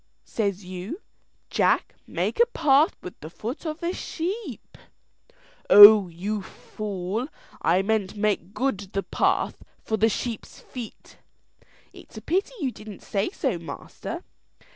Says you, 'Jack, make a path with the foot of the sheep.'" "Oh, you fool, I meant make good the path for the sheep's feet." "It's a pity you didn't say so, master.